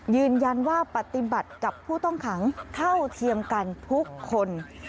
ยืนยันว่าปฏิบัติกับผู้ต้องขังเท่าเทียมกันทุกคน